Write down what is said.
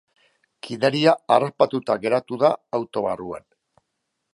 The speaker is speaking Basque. Gidaria harrapatuta geratu da auto barruan.